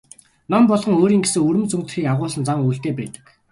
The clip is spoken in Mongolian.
Ном болгон өөрийн гэсэн өвөрмөц өнгө төрхийг агуулсан зан үйлтэй байдаг.